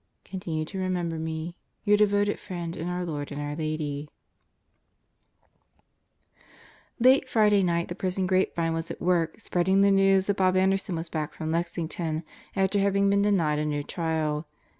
Continue to remember me. Your devoted friend in our Lord and our Lady ... Late Friday night the prison grapevine was at work spreading the news that Bob Anderson was back from Lexington after having been denied a new trial.